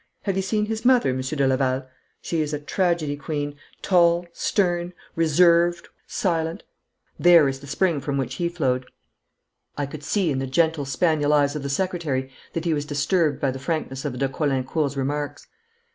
Have you seen his mother, Monsieur de Laval? She is a tragedy queen, tall, stern, reserved, silent. There is the spring from which he flowed.' I could see in the gentle, spaniel eyes of the secretary that he was disturbed by the frankness of de Caulaincourt's remarks.